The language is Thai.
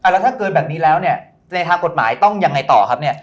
แล้วถ้าเกินแบบนี้แล้วในทางกฎหมายต้องยังไงต่อครับ